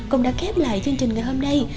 cũng đã khép lại chương trình ngày hôm nay